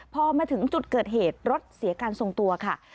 พอมาถึงจุดเกิดเหตุรถเสียการทรงตัวค่ะ